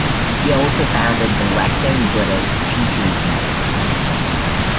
He also founded the Western Buddhist Teachers Network.